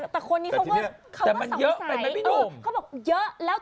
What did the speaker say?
แต่คนนี้เขาก็สงสัย